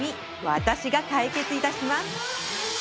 私が解決いたします